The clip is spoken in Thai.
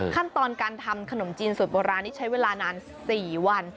ขั้นตอนการทำขนมจีนสูตรโบราณนี้ใช้เวลานาน๔วัน